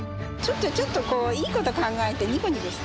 ちょっとこういいこと考えてニコニコして。